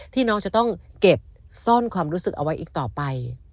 ที่น้องจะต้องเก็บซ่อนความรู้สึกเอาไว้อีกต่อไป